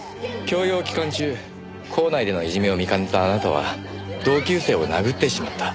教養期間中校内でのいじめを見かねたあなたは同級生を殴ってしまった。